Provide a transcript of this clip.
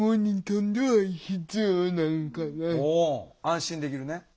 安心できるね。